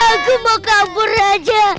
aku mau kabur aja